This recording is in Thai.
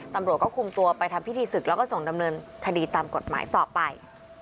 ตำรวจก็คุมตัวไปทำพิธีศึกแล้วก็ส่งดำเนินคดีตามกฎหมายต่อไป